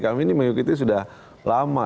kami ini mengikuti sudah lama